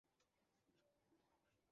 তার ঘোড়াটি গিরিপথ অতিক্রম করছিল।